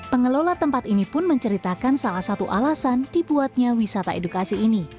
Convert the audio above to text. pengelola tempat ini pun menceritakan salah satu alasan dibuatnya wisata edukasi ini